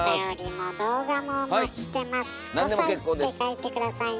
「５さい」って書いて下さいね。